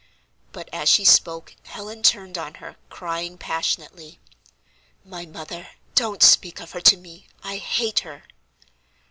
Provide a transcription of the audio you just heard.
But as she spoke Helen turned on her, crying passionately: "My mother! don't speak of her to me, I hate her!"